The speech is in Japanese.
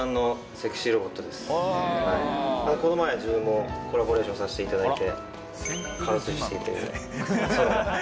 この前自分もコラボレーションさせていただいて。